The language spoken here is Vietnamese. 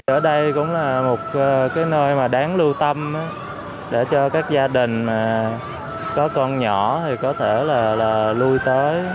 ở đây cũng là một cái nơi mà đáng lưu tâm để cho các gia đình mà có con nhỏ thì có thể là lui tới